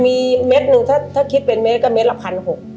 มีเม็ดหนึ่งถ้าคิดเป็นเม็ดก็เด็ดละ๑๖๐๐